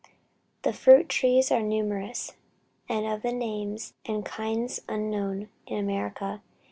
The fruit trees are numerous, and of names and kinds unknown in America.